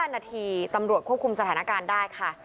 ๕นาทีตำรวจควบคุมสถานการณ์ได้ค่ะ